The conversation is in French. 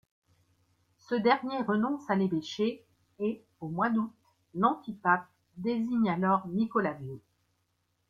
Ce dernier renonce à l'évêché et, au mois d'août, l'antipape désigne alors Nicolas Viaud.